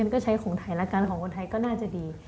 ก็ใช้ของไทยแล้วกันของคนไทยก็น่าจะดี